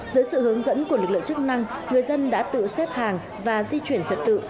dưới sự hướng dẫn của lực lượng chức năng người dân đã tự xếp hàng và di chuyển trật tự